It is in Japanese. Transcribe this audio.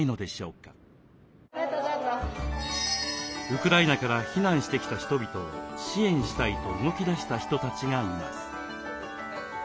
ウクライナから避難してきた人々を支援したいと動きだした人たちがいます。